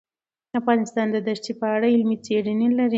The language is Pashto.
افغانستان د دښتې په اړه علمي څېړنې لري.